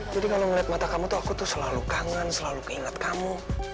jadi kalo ngeliat mata kamu tuh aku tuh selalu kangen selalu inget kamu